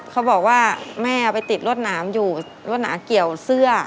เขาบอกว่าแม่เอาไปติดรวดหนามอยู่รวดหนามเกี่ยวเสื้อ